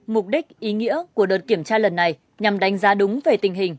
mục đích ý nghĩa của đợt kiểm tra lần này nhằm đánh giá đúng về tình hình